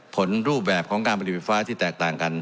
ผลรูปแบบของการผลิตไฟฟ้าที่แตกต่างกัน